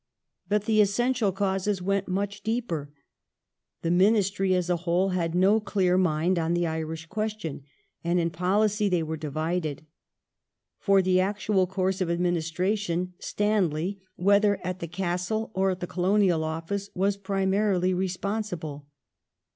But the essential causes went much deeper. The Ministry Ministry as a whole had no clear mind on the Irish question, and in policy they were divided. For the actual course of administra tion Stanley, whether at the Castle or at the Colonial Office, was primarily responsible.